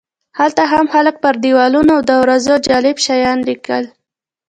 هلته هم خلکو پر دیوالونو او دروازو جالب شیان لیکل.